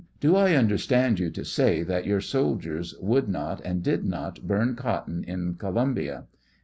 Do I understand you to say that your soldiers would not and did not burn cotton in Columbia